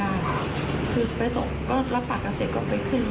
และก็จะรับความจริงของตัวเอง